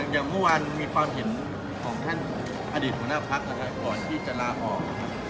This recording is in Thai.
อย่างเมื่อวานมีความเห็นของท่านอดีตหัวหน้าพักนะครับก่อนที่จะลาออก